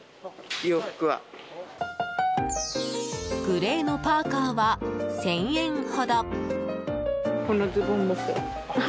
グレーのパーカは１０００円ほど。